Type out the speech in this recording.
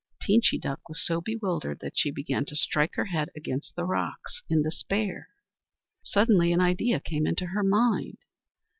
Teenchy Duck was so bewildered that she began to strike her head against the rocks in despair. Suddenly an idea came into her mind.